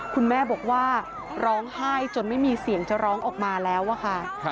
คุณแม่บอกว่าร้องไห้จนไม่มีเสียงจะร้องออกมาแล้วอะค่ะ